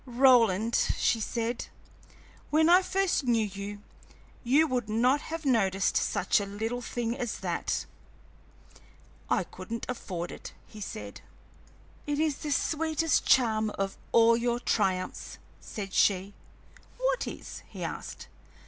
"Roland," she said, "when I first knew you, you would not have noticed such a little thing as that." "I couldn't afford it," he said. "It is the sweetest charm of all your triumphs!" said she. "What is?" he asked.